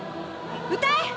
歌え！